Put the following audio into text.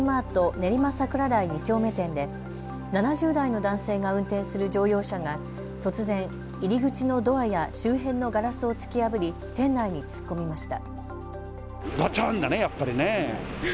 練馬桜台２丁目店で７０代の男性が運転する乗用車が突然、入り口のドアや周辺のガラスを突き破り店内に突っ込みました。